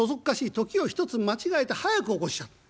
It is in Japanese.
時を１つ間違えて早く起こしちゃった。